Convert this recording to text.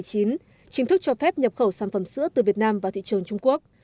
chính thức cho phép nhập khẩu sản phẩm sữa từ việt nam vào thị trường trung quốc